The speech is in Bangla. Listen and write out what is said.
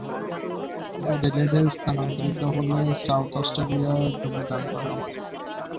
অ্যাডিলেডে স্থানান্তরিত হলে সাউথ অস্ট্রেলিয়ায় যোগদান করেন।